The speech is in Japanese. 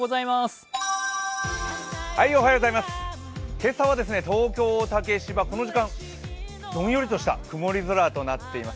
今朝は東京・竹芝、この時間どんよりとした曇り空となっています。